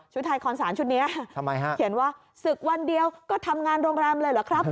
ไทยคอนสารชุดนี้ทำไมฮะเขียนว่าศึกวันเดียวก็ทำงานโรงแรมเลยเหรอครับ